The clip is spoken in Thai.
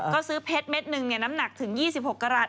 ก็ซื้อเพชรเม็ดหนึ่งน้ำหนักถึง๒๖กรัฐ